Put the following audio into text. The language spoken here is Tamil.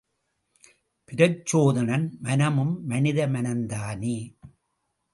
பிரச்சோதனன் மனமும் மனித மனந்தானே!